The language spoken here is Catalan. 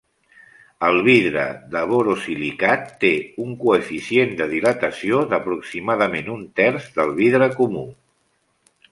El vidre de borosilicat té un coeficient de dilatació d'aproximadament un terç del vidre comú.